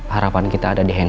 harapan kita ada di handphone